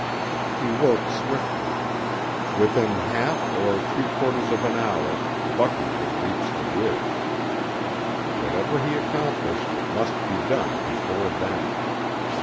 He worked swiftly. Within half or three quarters of an hour Bucky would reach the ridge. Whatever he accomplished must be done before then.